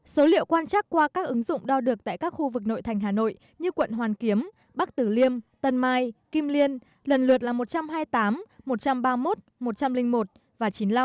số liệu quan trắc qua các ứng dụng đo được tại các khu vực nội thành hà nội như quận hoàn kiếm bắc tử liêm tân mai kim liên lần lượt là một trăm hai mươi tám một trăm ba mươi một một trăm linh một và chín mươi năm